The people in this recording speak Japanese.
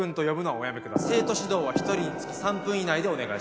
生徒指導は一人につき３分以内でお願いします。